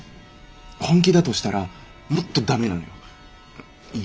本気だとしたらもっと駄目なのよ。